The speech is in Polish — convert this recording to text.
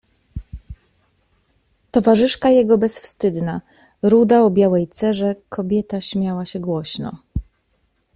"Towarzyszka jego bezwstydna, ruda o białej cerze kobieta śmiała się głośno."